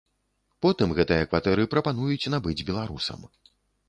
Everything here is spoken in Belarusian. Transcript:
Потым гэтыя кватэры прапануюць набыць беларусам.